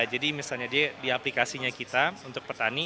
jadi misalnya dia di aplikasinya kita untuk petani